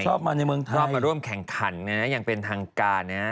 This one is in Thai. ชอบมาร่วมแข่งขันนะยนะยังเป็นทางกรณี